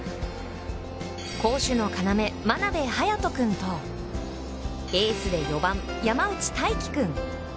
攻守の要真鍋颯君とエースで４番山内太暉君。